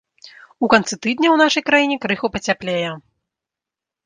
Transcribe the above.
У канцы тыдня ў нашай краіне крыху пацяплее.